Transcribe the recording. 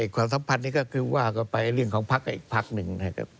ความสัมพันธ์นี้ก็คือว่าเรื่องของพักกับอีกพักนึง